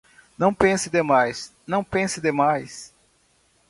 Não pense demais, não pense demais.